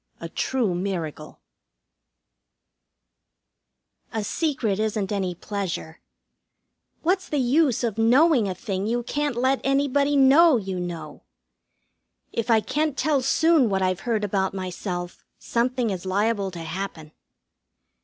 XII A TRUE MIRACLE A secret isn't any pleasure. What's the use of knowing a thing you can't let anybody know you know? If I can't tell soon what I've heard about myself something is liable to happen.